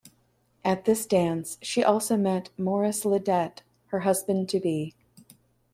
At this dance, she also met Morris Ledet, her husband to be.